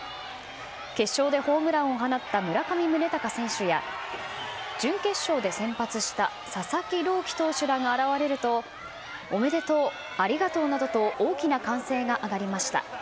決勝でホームランを放った村上宗隆選手や準決勝で先発した佐々木朗希投手らが現れるとおめでとう、ありがとうなどと大きな歓声が上がりました。